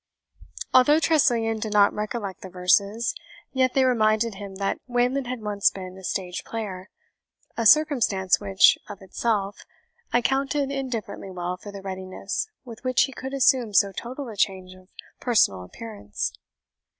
Although Tressilian did not recollect the verses, yet they reminded him that Wayland had once been a stage player, a circumstance which, of itself, accounted indifferently well for the readiness with which he could assume so total a change of personal appearance.